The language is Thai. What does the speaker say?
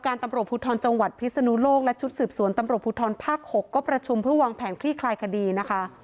คือจะมั่นใจเส้นสำรวจจะเล่นเจน